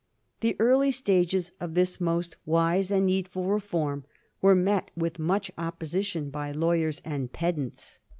The early stages of this most wise and needful reform were met with much opposi tion by lawyers and pedants.